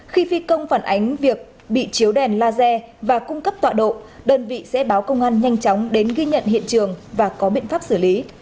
khi phi công phản ánh việc bị chiếu đèn laser và cung cấp tọa độ đơn vị sẽ báo công an nhanh chóng đến ghi nhận hiện trường và có biện pháp xử lý